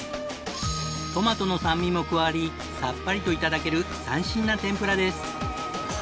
トマトの酸味も加わりさっぱりと頂ける斬新な天ぷらです。